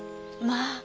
まあ。